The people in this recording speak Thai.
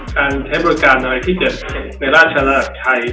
การใช้บริการอะไรที่จะในราชาณาศัยไทย